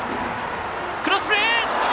クロスプレー！